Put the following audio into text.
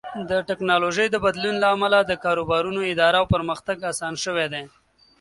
د ټکنالوژۍ د بدلون له امله د کاروبارونو اداره او پرمختګ اسان شوی دی.